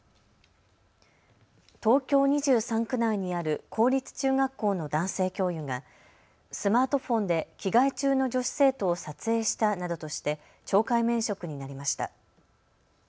東京２３区内にある公立中学校の男性教諭がスマートフォンで着替え中の女子生徒を撮影したなどとして懲戒免職になりました。